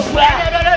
kita cekig terus